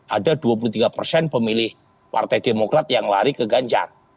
ada dua puluh tiga persen pemilih partai demokrat yang lari ke ganjar